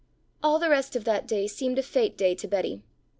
All the rest of that day seemed a fête day to Betty.